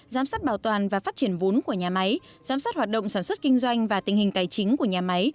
giám sát bảo toàn và phát triển vốn của nhà máy giám sát hoạt động sản xuất kinh doanh và tình hình tài chính của nhà máy